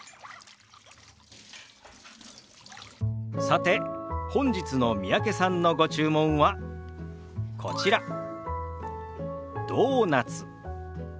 さて本日の三宅さんのご注文はこちら「ドーナツ」。